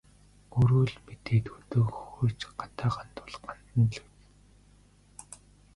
Өөрөө л мэдээд хөдөө хөхөрч, гадаа гандвал гандана л биз.